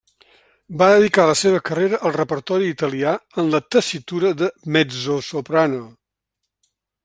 Va dedicar la seva carrera al repertori italià en la tessitura de mezzosoprano.